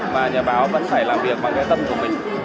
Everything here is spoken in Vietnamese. mà nhà báo vẫn phải làm việc bằng cái tâm của mình